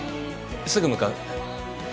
すぐ向かう。